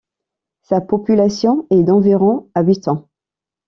Sa population est d’environ habitants.